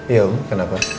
iya om kenapa